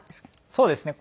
そうですね。